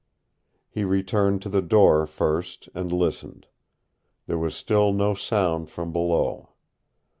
He returned to the door first and listened. There was still no sound from below.